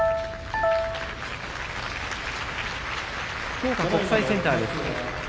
福岡国際センターです。